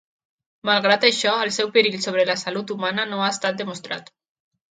Malgrat això, el seu perill sobre la salut humana no ha estat demostrat.